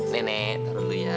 nenek taruh dulu ya